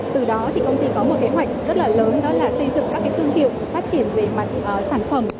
từ đó thì công ty có một kế hoạch rất là lớn đó là xây dựng các thương hiệu phát triển về mặt sản phẩm